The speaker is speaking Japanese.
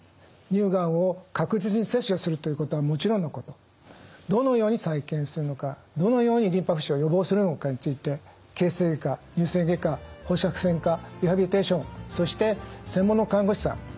乳がんを確実に切除するということはもちろんのことどのように再建するのかどのようにリンパ浮腫を予防するのかについて形成外科乳腺外科放射線科リハビリテーションそして専門の看護師さん